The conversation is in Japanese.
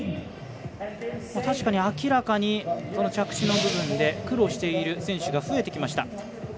確かに、明らかに着地の部分で苦労している選手が増えてきました。